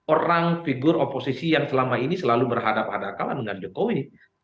orang figur oposisi yang selama ini selalu berhadap hadap kawan dengan jokowi